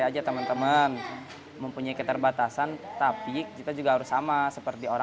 jadi ngurus diri